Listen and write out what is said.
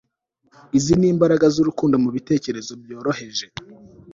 izi nimbaraga zurukundo mubitekerezo byoroheje